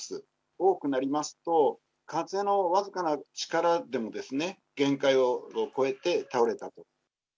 多くなりますと、風の僅かな力でもですね、限界を超えて倒れたと。